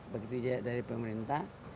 begitu juga dari pemerintah